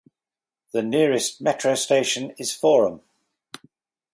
The nearest metro station is Forum.